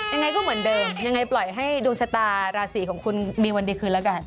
ยังไงก็เหมือนเดิมยังไงปล่อยให้ดวงชะตาราศีของคุณมีวันดีคืนแล้วกัน